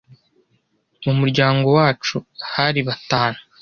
Mu muryango wacu hari batanu.